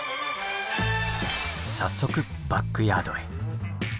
早速バックヤードへ。